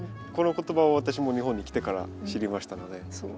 この言葉は私も日本に来てから知りましたので。